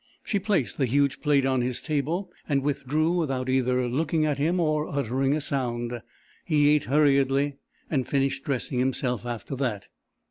She placed the huge plate on his table and withdrew without either looking at him or uttering a sound. He ate hurriedly, and finished dressing himself after that.